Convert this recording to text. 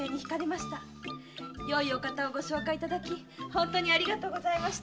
よいお方をご紹介いただき本当にありがとうございました。